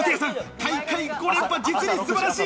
大会５連覇、実に素晴らしい！